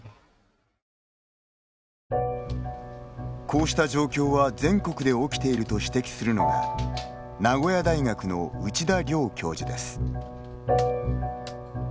こうした状況は全国で起きていると指摘するのが名古屋大学の内田良教授です。